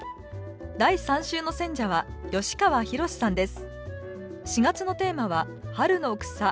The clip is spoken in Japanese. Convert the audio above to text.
第３週の選者は吉川宏志さんです